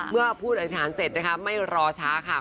เมื่อพูดอธิษฐานเสร็จนะคะไม่รอช้าค่ะ